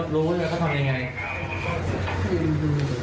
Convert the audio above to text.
ซื้อมาล้านหรือยัง